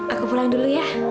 aku pulang dulu ya